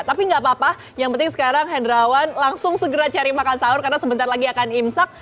tapi nggak apa apa yang penting sekarang hendrawan langsung segera cari makan sahur karena sebentar lagi akan imsak